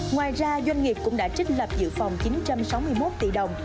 ngoài ra doanh nghiệp cũng đã trích lập dự phòng chín trăm sáu mươi một tỷ đồng